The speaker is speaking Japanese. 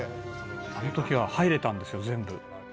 「あの時は入れたんですよ全部」